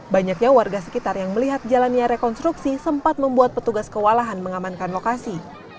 banyaknya warga sekitar yang melihat jalannya rekonstruksi sempat membuat petugas kewalahan mengamankan lokasi